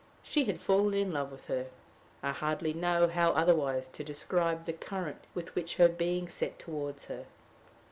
She had fallen in love with her I hardly know how otherwise to describe the current with which her being set toward her.